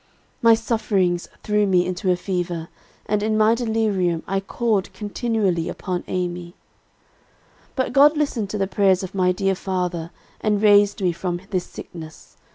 My sufferings threw me into a fever, and in my delirium I called continually upon Amy. "But God listened to the prayers of my dear father, and raised me from this sickness.